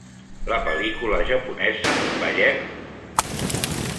La pel·lícula japonesa "Ballem"?